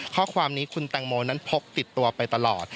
ข้อความนี้คุณแตงโมนั้นพกติดตัวไปตลอด